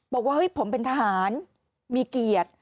บอกว่าเฮ้ยผมเป็นทหารมีเกียรติ